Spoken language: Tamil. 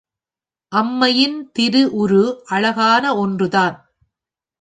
அம்மையின் திருஉரு அழகான ஒன்றுதான்.